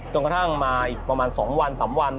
ตรงกระทั่งมาอีกประมาณสองวันสามวัน